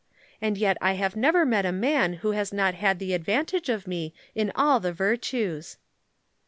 And yet I have never met a man who has not had the advantage of me in all the virtues.